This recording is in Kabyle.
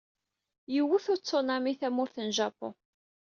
Yewwet utsunami tamurt n Japun.